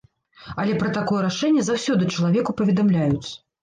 Але пра такое рашэнне заўсёды чалавеку паведамляюць.